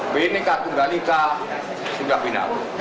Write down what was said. bnk tunggal nika sudah final